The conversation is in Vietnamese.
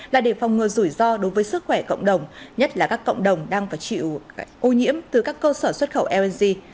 là để phòng ngừa rủi ro đối với sức khỏe cộng đồng nhất là các cộng đồng đang phải chịu ô nhiễm từ các cơ sở xuất khẩu lng